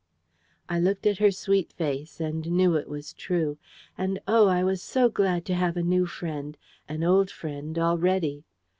I looked at her sweet face, and knew it was true. And oh, I was so glad to have a new friend an old friend, already!